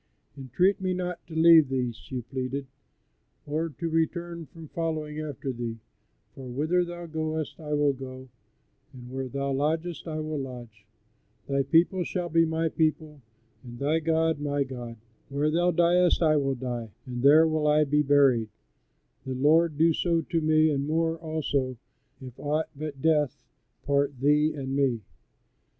"Entreat me not to leave thee," she pleaded, "or to return from following after thee; for whither thou goest I will go, and where thou lodgest I will lodge; thy people shall be my people, and thy God my God; where thou diest I will die, and there will I be buried; the Lord do so to me and more, also, if aught but death part thee and me."